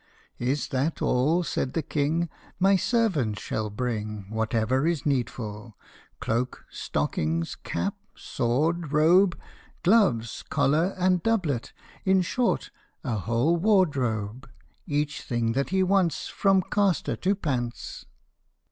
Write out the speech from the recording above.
" Is that all ?" said the King ;" My servants shall bring Whatever is needful cloak, stockings, cap, sword, robe, Gloves, collar, and doublet in short, a whole wardrobe, Each thing that he wants, From castor to pants."